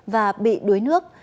và bị đuối nước